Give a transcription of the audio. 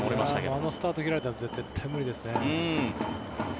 あのスタートを切られたら絶対に無理ですね。